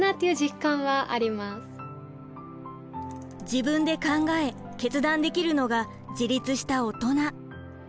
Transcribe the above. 自分で考え決断できるのが自立したオトナ。